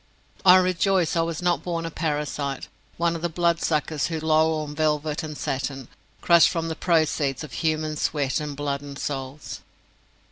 I rejoice I was not born a parasite, one of the blood suckers who loll on velvet and satin, crushed from the proceeds of human sweat and blood and souls.